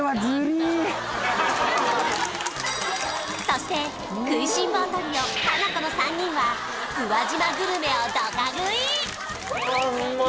そして食いしん坊トリオハナコの３人は宇和島グルメをドカ食い！